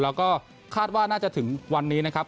แล้วก็คาดว่าน่าจะถึงวันนี้นะครับ